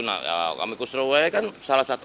nah amikus terulai kan salah satu